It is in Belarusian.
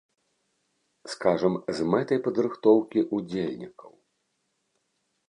Скажам, з мэтай падрыхтоўкі ўдзельнікаў!